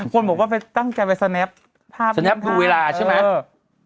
คนบอกว่าไปตั้งแกนไปสแนะพาพดูเวลาใช่ไหมเออ